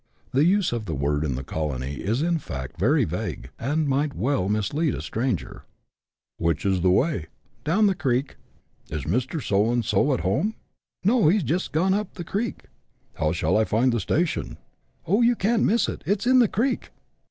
The use of the word in the colony is in fact very vague, and might well mislead a stranger. " Which is the way ?"—" Down the creek." " Is Mr. so and so at home ?"—" No ; he 's just gone up the creek. "" How shall I find the station ?"—" Oh, you can't miss it, it's in the creek."